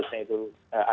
e emang benar karena